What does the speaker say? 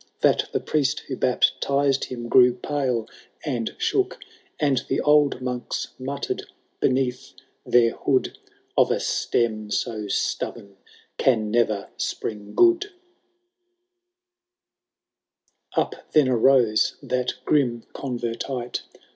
That the priest who baptized him grew pale and shook ; And the old monks mutter'd beneath their hood, Of a stem so stubborn can never spring good P' VII. Up then arose that grim convertite.